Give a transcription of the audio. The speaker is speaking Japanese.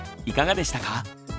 いかがでしたか？